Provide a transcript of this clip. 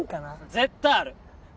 絶対ある！